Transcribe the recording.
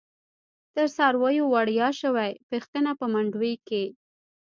تر څارویو وړیاشوی، پیښتنه په منډوی کی